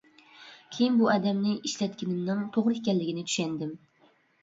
كېيىن بۇ ئادەمنى ئىشلەتكىنىمنىڭ توغرا ئىكەنلىكىنى چۈشەندىم.